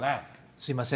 すみません。